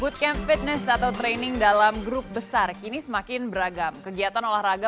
wood camp fitness atau training dalam grup besar kini semakin beragam kegiatan olahraga